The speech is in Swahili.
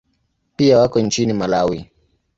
Pia wako nchini Malawi.